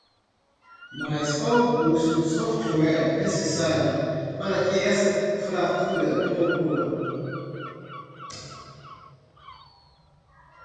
Mas qual o custo do software necessário para que essa fratura não ocorra?